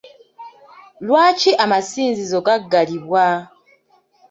Lwaki amasinzizo gaggalibwa?